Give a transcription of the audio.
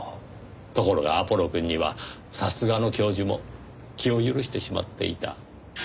ところがアポロくんにはさすがの教授も気を許してしまっていた。